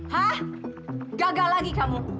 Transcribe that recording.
hah gagal lagi kamu